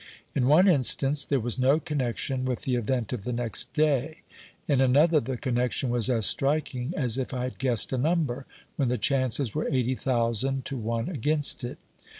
In one instance, there was no connection with the event of the next day ; in another the connection was as striking as if I had guessed a number, when the chances were eighty thousand to one against it.